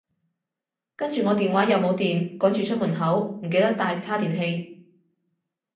跟住我電話又冇電，趕住出門口，唔記得帶叉電器